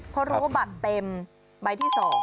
เพราะรู้ว่าบัตรเต็มใบที่๒